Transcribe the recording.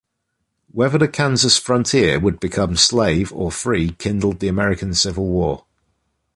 Whether the Kansas frontier would become "slave" or "free" kindled the American Civil War.